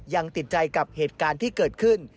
ยังติดใจกับเหตุการณ์ที่เกิดขึ้น